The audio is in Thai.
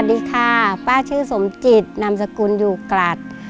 สวัสดีค่ะป้าชื่อสมจิตนามสกุลอยู่กลัด